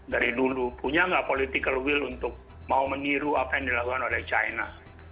dari dulu punya nggak political will untuk mau meniru apa yang dilakukan oleh china